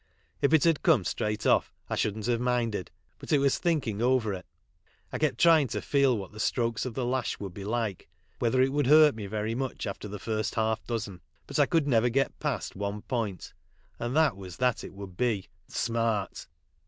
If it had come straight off I shouldn't have minded, but it was thinkiim* over it. I kept Irving to feel what the strokes of the lash would be like whether it would hurt me very much after the 1 : rst half dozen 5 but I could never get past one point, and that was that it would be smart.